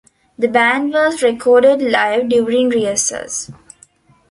The band was recorded live during rehearsals.